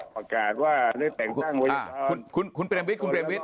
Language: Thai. ประกาศว่าได้แต่งตั้งไว้คุณคุณคุณเปรมวิทย์คุณเปรมวิทย์